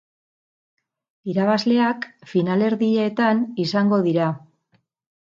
Irabazleak finalerdietan izango dira.